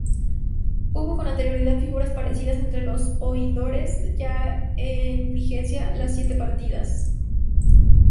Hubo con anterioridad figuras parecidas entre los oidores ya en vigencia las Siete Partidas.